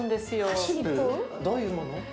どういうもの？